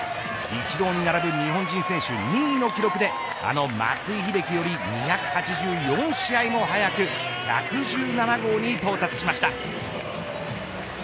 イチローに並ぶ日本人選手２位の記録であの松井秀喜より２８４試合も早く１１７号に到達しました。